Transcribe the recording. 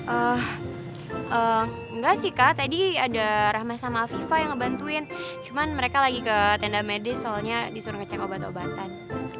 enggak sih kak tadi ada rahmat sama afifa yang ngebantuin cuma mereka lagi ke tenda medis soalnya disuruh ngecek obat obatan